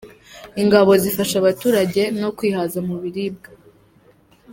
Ingabo zifasha abaturage no kwihaza mu biribwa